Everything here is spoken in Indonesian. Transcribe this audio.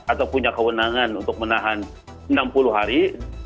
atau punya kewenangan untuk menahan enam puluh hari